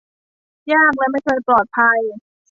ยากและไม่ค่อยปลอดภัย